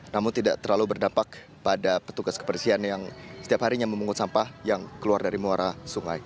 namun tidak terlalu berdampak pada petugas kebersihan yang setiap harinya memungut sampah yang keluar dari muara sungai